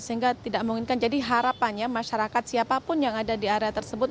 sehingga tidak memungkinkan jadi harapannya masyarakat siapapun yang ada di area tersebut